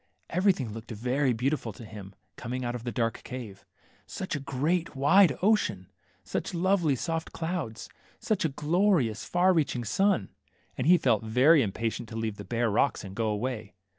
Everything looked very beautiful to him, coming out of the dark cave. Such a great, wide ocean! such lovely, soft clouds ! such a glorious, far reach ing sun 1 and he felt very impatient to leave the bare rocks, and go away.